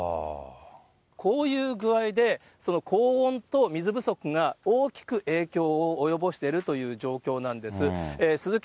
こういう具合でその高温と水不足が大きく影響を及ぼしてるという状況なんです。